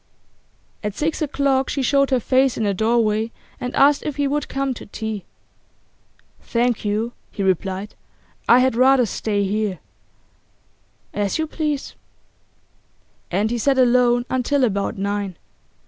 At six o'clock she showed her face in the doorway and asked if he would come to tea. 'Thank you,' he replied, 'I had rather stay here.' 'As you please.' And he sat alone until about nine.